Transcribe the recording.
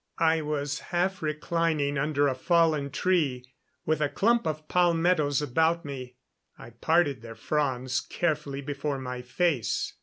I was half reclining under a fallen tree, with a clump of palmettos about me. I parted their fronds carefully before my face.